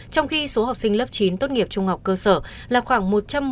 trong khi số học sinh lớp chín tốt nghiệp trung học cơ sở là khoảng một trăm một mươi